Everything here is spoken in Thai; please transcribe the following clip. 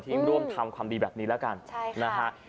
ที่ร่วมทำความดีแบบนี้ละกัน